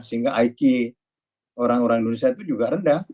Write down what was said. sehingga iq orang orang indonesia itu juga rendah